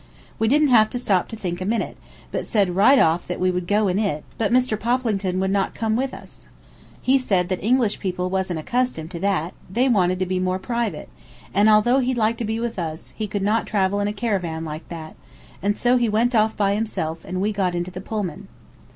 We didn't have to stop to think a minute, but said right off that we would go in it, but Mr. Poplington would not come with us. He said English people wasn't accustomed to that, they wanted to be more private; and, although he'd like to be with us, he could not travel in a caravan like that, and so he went off by himself, and we got into the Pullman.